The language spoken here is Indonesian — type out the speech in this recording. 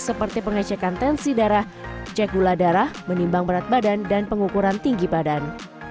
seperti pengecekan tensi darah cek gula darah menimbang berat badan dan pengukuran tinggi badan